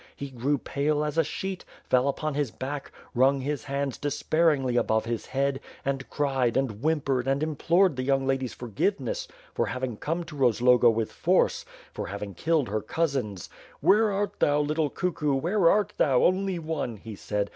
He grew pale as a sheet, fell upon his back, wrung his hands despairingly above his head, and cried, and whimp ered, and implored the young lady's forgiveness for having come to Rozloga with force; for having killed her cousins. 'Where art thou, little Cuckoo, where art thou, Only One?' he said.